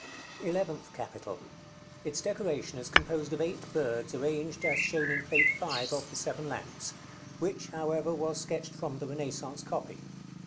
ELEVENTH CAPITAL. Its decoration is composed of eight birds, arranged as shown in Plate V. of the "Seven Lamps," which, however, was sketched from the Renaissance copy.